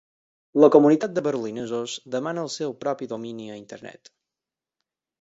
La comunitat de berlinesos demana el seu propi domini a Internet.